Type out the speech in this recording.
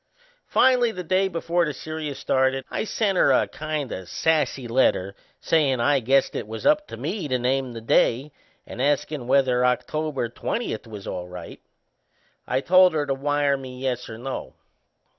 Finally, the day before the serious started, I sent her a kind o' sassy letter sayin' I guessed it was up to me to name the day, and askin' whether October twentieth was all right. I told her to wire me yes or no.